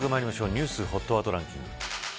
ニュースＨＯＴワードランキング。